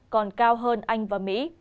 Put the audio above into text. còn cao hơn anh và mỹ